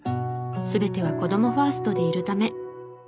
全ては子どもファーストでいるため。